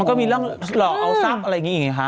ก็มีเรื่องหลอกเอาซับอะไรอย่างงี้ไงคะ